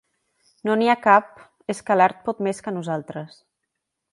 No n'hi ha cap. És que l'Art pot més que nosaltres.